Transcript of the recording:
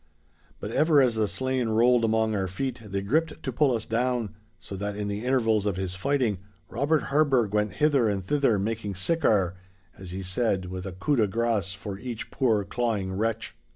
But ever as the slain rolled among our feet they gripped to pull us down, so that in the intervals of his fighting Robert Harburgh went hither and thither "making siccar," as he said, with a coup de grace for each poor clawing wretch.